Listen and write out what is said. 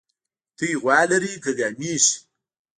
تى غوا لرى كه ګامېښې؟